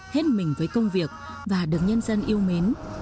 hết mình với công việc và được nhân dân yêu mến